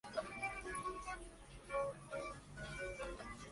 El fraile ya había sido expulsado de Asunción y Santa Fe por ser agresivo.